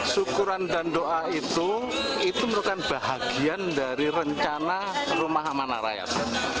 syukuran dan doa itu itu merupakan bahagian dari rencana rumah amanah rakyat